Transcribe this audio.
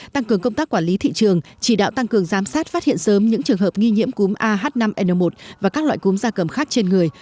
tăng cường công tác quản lý thị trường chỉ đạo tăng cường giám sát phát hiện sớm những trường hợp nghi nhiễm cúm ah năm n một và các loại cúm gia cầm khác trên người